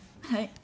はい。